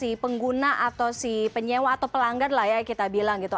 si pengguna atau si penyewa atau pelanggan lah ya kita bilang gitu